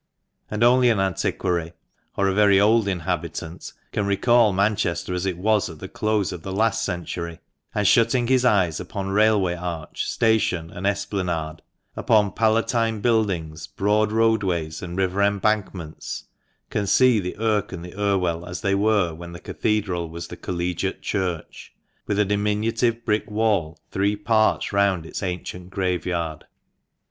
And only an antiquary or a very old inhabitant can recall Manchester as it was at the close of the last century ; and shutting his eyes upon railway arch, station, and esplanade, upon Palatine buildings, broad roadways, and river embankments, can see the Irk and the Irwell as they were when the Cathedral was the Collegiate Church, with a diminutive brick wall three parts round its ancient graveyard.